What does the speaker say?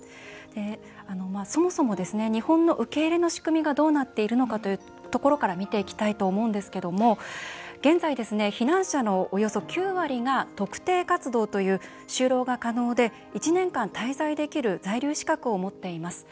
そもそも日本の受け入れの仕組みがどうなっているのかというところから見ていきたいと思うんですけども現在、避難者のおよそ９割が「特定活動」という就労が可能で１年間、滞在できる在留資格を持っています。